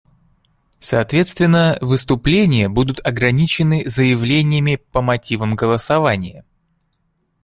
Соответственно, выступления будут ограничены заявлениями по мотивам голосования.